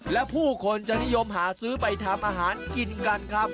และผู้คนจะนิยมหาซื้อไปทำอาหารกินกันครับ